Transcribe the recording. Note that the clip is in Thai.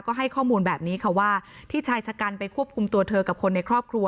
ก็ให้ข้อมูลแบบนี้ค่ะว่าที่ชายชะกันไปควบคุมตัวเธอกับคนในครอบครัว